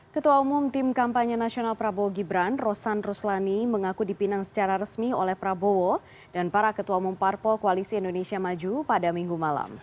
ketua umum tim kampanye nasional prabowo gibran rosan ruslani mengaku dipinang secara resmi oleh prabowo dan para ketua umum parpol koalisi indonesia maju pada minggu malam